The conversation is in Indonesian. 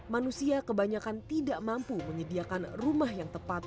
manusia kebanyakan tidak mampu menyediakan rumah yang tepat